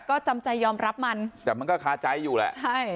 ก็จำใจยอมรับมันแต่มันก็คาใจอยู่แหละใช่